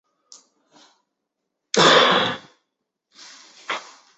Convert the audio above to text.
沙孟海塘溪镇沙村人。